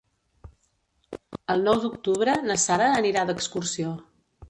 El nou d'octubre na Sara anirà d'excursió.